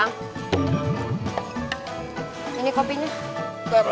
kami men fellaini di junior college yang weak dan murah